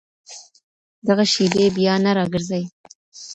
دغه شېبې بیا نه راګرځي.